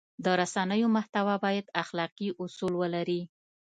د رسنیو محتوا باید اخلاقي اصول ولري.